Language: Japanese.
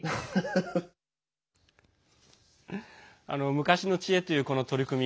昔の知恵という、この取り組み。